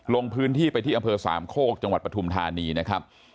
ลงพื้นที่ไปที่อำเภอสามโคกจังหวัดปฐุมธานีนะครับ